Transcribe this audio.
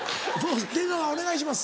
出川お願いします。